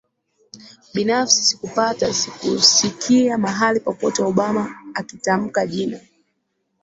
binafsi sikupata sikusikia mahali popote Obama akitamka jina